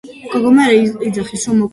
რიცხვითი წრფის ძირითადი თვისებაა უწყვეტობა.